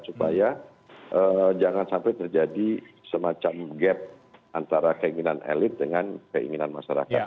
supaya jangan sampai terjadi semacam gap antara keinginan elit dengan keinginan masyarakat